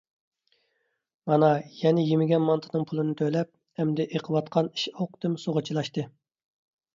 مانا يەنە يېمىگەن مانتىنىڭ پۇلىنى تۆلەپ، ئەمدى ئېقىۋاتقان ئىش-ئوقىتىم سۇغا چىلاشتى.